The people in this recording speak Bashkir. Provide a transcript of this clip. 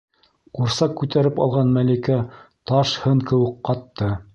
Ҡурсаҡ күтәреп алған Мәликә таш һын кеүек ҡатты.